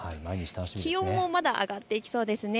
気温もまだ上がっていきそうですね。